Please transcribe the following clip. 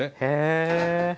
へえ。